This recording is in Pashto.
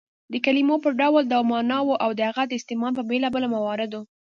د کلیمو په ډول ډول ماناوو او د هغو د استعمال په بېلابيلو مواردو